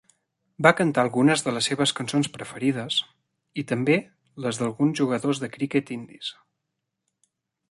Va cantar algunes de les seves cançons preferides, i també les d'alguns jugadors de criquet indis.